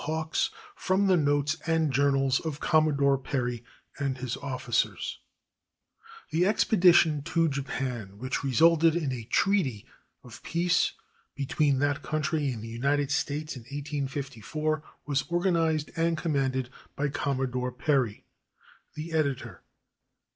HAWKS FROM THE NOTES AND JOURNALS OF COMMODORE PERRY AND HIS OFFICERS [The expedition to Japan, which resulted in a treaty of peace between that country and the United States in 1854, was organized and commanded by Commodore Perry. The Editor.